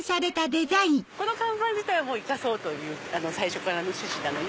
この看板自体生かそうという最初からの趣旨なので。